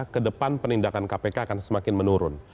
ke depan penindakan kpk akan semakin menurun